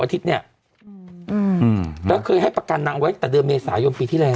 อาทิตย์เนี้ยอืมแล้วเคยให้ประกันนั้นไว้ต่อเดิมเมษายมปีที่แรก